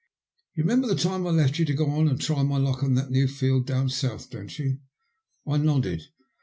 " You remember the time I left you to go and try my luck on that new field down South, don't you? " I nodded.